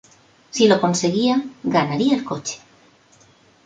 Si lo conseguía, ganaría el coche.